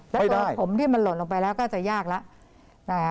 แล้วตัวผมที่มันหล่นลงไปแล้วก็จะยากแล้ว